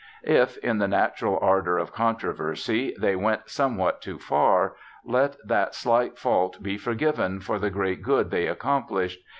If, in the natural ardour of controversy, they went somewhat too far, let that slight fault be forgiven for the great good they accomplished.